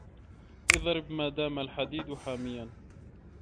اِضْرِبْ ما دام الحديد حامياً